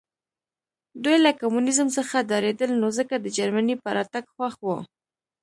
دوی له کمونیزم څخه ډارېدل نو ځکه د جرمني په راتګ خوښ وو